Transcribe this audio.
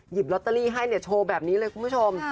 ลอตเตอรี่ให้โชว์แบบนี้เลยคุณผู้ชม